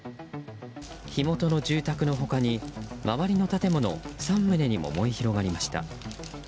火元の住宅の他に周りの建物３棟にも燃え広がりました。